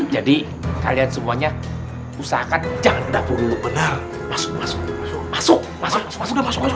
jadi kalian semuanya usahakan jangan dapur benar masuk masuk masuk masuk masuk